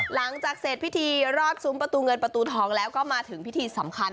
หลังจากเสร็จพิธีรอดซุ้มประตูเงินประตูทองแล้วก็มาถึงพิธีสำคัญ